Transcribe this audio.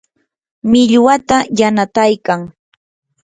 millwata yanataykan.